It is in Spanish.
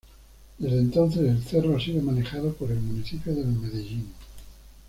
Desde entonces, el cerro ha sido manejado por el Municipio de Medellín.